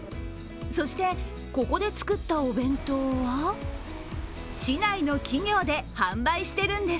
そして、ここで作ったお弁当は市内の企業で販売しているんです。